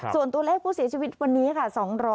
ส่วนตัวเลขผู้เสียชีวิตวันนี้ค่ะ